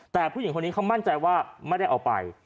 แต่ผู้หญิงคนนี้เขามั่นใจว่าไม่ได้เอาไป